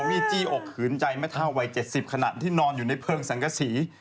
มิจิขืนใจไม่เท่าวัย๗๐ขนาดที่นอนอยู่ในเพลิงสังกะศรี